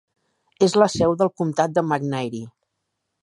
És la seu del comtat de McNairy.